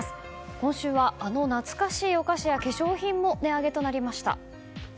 今週はあの懐かしいお菓子や化粧品も値上げとなりました。